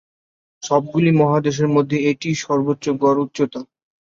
সবগুলি মহাদেশের মধ্যে এটিই সর্বোচ্চ গড় উচ্চতা।